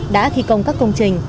đã thi công các công trình